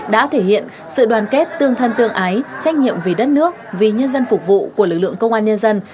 đã thể hiện sự đoàn kết tương thân tương ái trách nhiệm vì đất nước vì nhân dân phục vụ của lực lượng công an nhân dân